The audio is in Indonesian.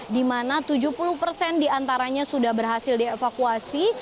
di mana tujuh puluh persen diantaranya sudah berhasil dievakuasi